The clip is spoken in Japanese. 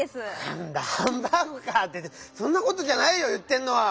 なんだハンバーグか！ってそんなことじゃないよいってんのは！